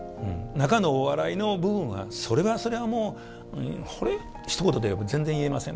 中のお笑いの部分はそれはそれはもうひと言でやっぱ全然言えません。